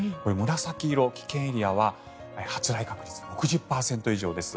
紫色の危険エリアは発雷確率６０％以上です。